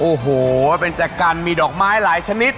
โอ้โหเป็นจากการมีดอกไม้หลายชนิด